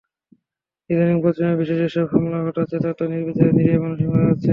ইদানীং পশ্চিমা বিশ্বে যেসব হামলা ঘটাচ্ছে, তাতেও নির্বিচারে নিরীহ মানুষই মারা যাচ্ছে।